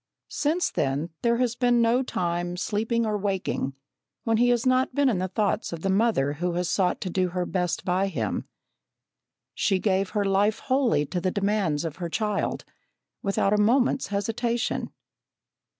Since then there has been no time, sleeping or waking, when he has not been in the thoughts of the mother who has sought to do her best by him. She gave her life wholly to the demands of her child, without a moment's hesitation.